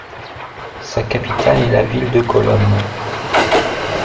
Sa capitale est la ville de Colón.